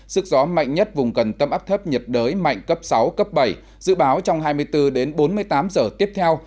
sức gió mạnh nhất vùng gần tâm áp thấp nhiệt đới mạnh cấp sáu cấp bảy dự báo trong hai mươi bốn đến bốn mươi tám giờ tiếp theo